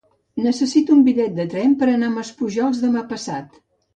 Necessito un bitllet de tren per anar a Maspujols demà passat.